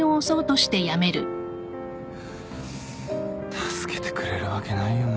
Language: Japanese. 助けてくれるわけないよな。